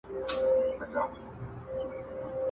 وختونه واوښتل اور ګډ سو د خانۍ په خونه؛